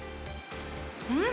うん！